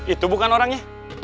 itu bukan orangnya